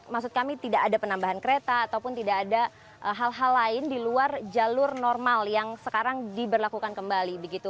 maksud kami tidak ada penambahan kereta ataupun tidak ada hal hal lain di luar jalur normal yang sekarang diberlakukan kembali begitu